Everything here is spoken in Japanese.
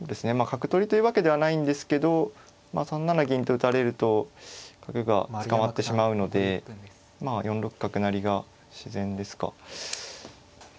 角取りというわけではないんですけど３七銀と打たれると角が捕まってしまうのでまあ４六角成が自然ですか。